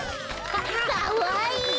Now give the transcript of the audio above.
かわいい。